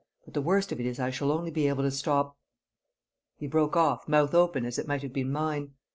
But the worst of it is I shall only be able to stop " He broke off, mouth open as it might have been mine.